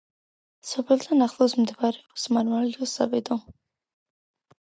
სოფელთან ახლოს მდებარეობს მარმარილოს საბადო.